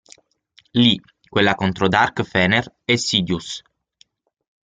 Lì duella contro Dart Fener e Sidious.